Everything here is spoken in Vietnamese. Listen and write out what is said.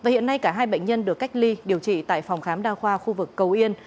hiện nay cả hai bệnh nhân được cách ly điều trị tại phòng khám đa khoa khu vực cầu yên